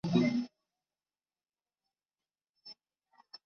梁振英在上任数小时后便迎来数十万人在街上叫他下台的要求。